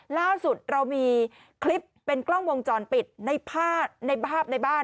ล่าวสุดเรามีคลิปเป็นกล้องวงจรปิดในภาพในบ้านนะครับ